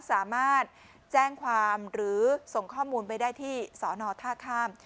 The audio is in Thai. สามารถแจ้งความหรือส่งข้อมูลไปได้ที่สอนอท่าข้าม